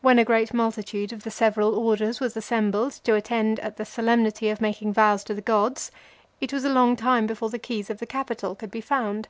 When a great multitude of the several orders was assembled, to attend at the solemnity of making vows to the gods, it was a long time before the keys of the Capitol could be found.